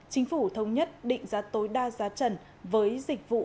chính phủ thống nhất định giá tối đa giá trần với dịch vụ